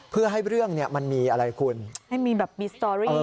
เพื่อให้เรื่องเนี่ยมันมีอะไรคุณให้มีแบบมีสตอรี่